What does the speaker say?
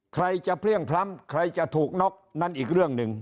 ใครจะเพลี่ยงพล้ำใครจะถูกน็อกนั่นอีกเรื่องหนึ่ง